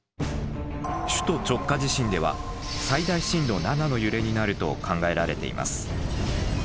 首都直下地震では最大震度７の揺れになると考えられています。